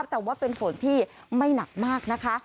แต่ว่าเป็นฝนที่ไม่หนักมากนะคะ